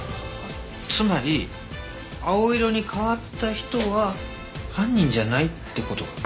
つまり青色に変わった人は犯人じゃないって事だな？